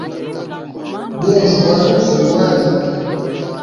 Bunvu bwali ufa ngwali.